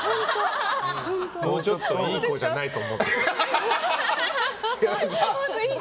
もうちょっといい子じゃないと思ってた。